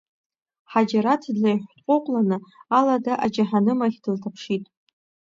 Ҳаџьараҭ длеиҳәҭҟәыҟәланы алада аџьаҳанымахь дылҭаԥшит.